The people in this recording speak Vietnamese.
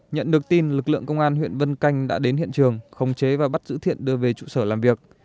nhận được tin lực lượng công an huyện vân canh đã đến hiện trường không chế và bắt giữ thiện đưa về trụ sở làm việc